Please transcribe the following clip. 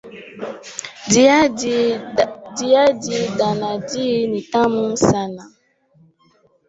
Dhiadhi dha nadhi nitamu sana.